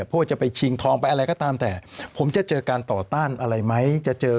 ว่าจะไปชิงทองไปอะไรก็ตามแต่ผมจะเจอการต่อต้านอะไรไหมจะเจอ